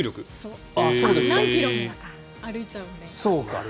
何キロも歩いちゃうので。